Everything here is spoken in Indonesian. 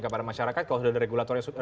kepada masyarakat kalau sudah diregulasi